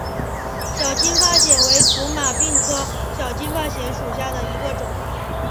小金发藓为土马鬃科小金发藓属下的一个种。